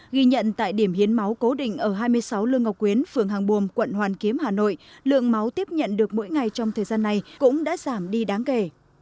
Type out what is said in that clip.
ghi nhận tại điểm hiến máu cố định ở hai mươi sáu lương ngọc quyến phường hàng buồm quận hoàn kiếm hà nội lượng máu tiếp nhận được mỗi ngày trong thời gian này cũng đã giảm đi đáng kể